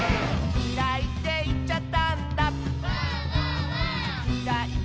「きらいっていっちゃったんだ」